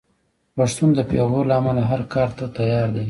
پښتون د پېغور له امله هر کار ته تیار دی.